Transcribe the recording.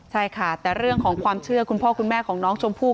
ใช่ค่ะแต่เรื่องของความเชื่อคุณพ่อคุณแม่ของน้องชมพู่